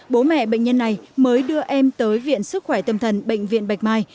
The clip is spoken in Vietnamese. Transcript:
bố mẹ bệnh nhân này mới đưa em tới viện sức khỏe tâm thần bệnh viện bạch mai